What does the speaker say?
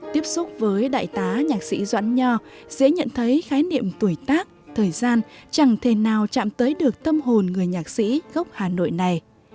tiếp xúc với đại tá nhạc sĩ doãn nho sẽ nhận thấy khái niệm tuổi tác thời gian chẳng thể nào chạm tới được tâm hồn người nhạc sĩ gốc hà nội này